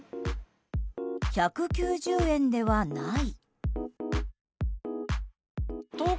１９０円ではない？